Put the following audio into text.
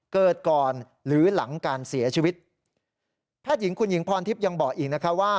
เกิดก่อนหรือหลังการเสียชีวิตแพทย์หญิงคุณหญิงพรทิพย์ยังบอกอีกนะคะว่า